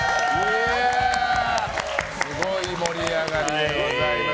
すごい盛り上がりでございます。